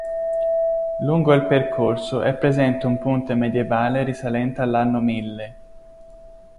Lungo il percorso è presente un ponte medievale risalente all’anno Mille.